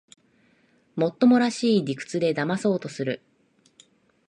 もっともらしい理屈でだまそうとする